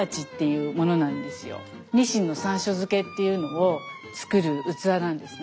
鰊の山椒漬けっていうのを作る器なんですね。